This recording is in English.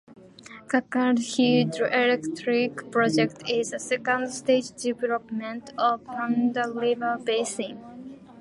Kakkad Hydro electric Project is the second stage development of Pamba river basin.